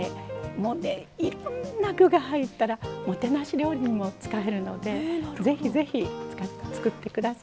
もうねいろんな具が入ったらもてなし料理にも使えるので是非是非作って下さい。